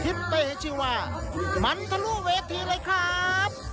ทิปเตชีวาหมั่นทะลุเวทีเลยครับ